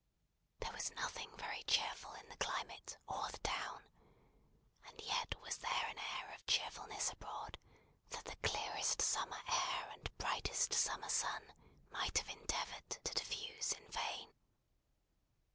There was nothing very cheerful in the climate or the town, and yet was there an air of cheerfulness abroad that the clearest summer air and brightest summer sun might have endeavoured to diffuse in vain.